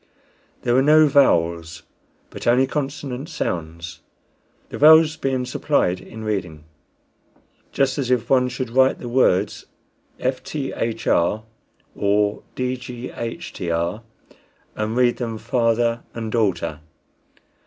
There were no vowels, but only consonant sounds, the vowels being supplied in reading, just as if one should write the words fthr or dghtr, and read them father and daughter.